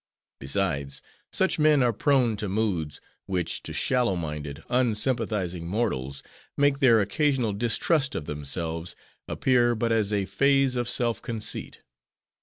Besides, such men are prone to moods, which to shallow minded, unsympathizing mortals, make their occasional distrust of themselves, appear but as a phase of self conceit.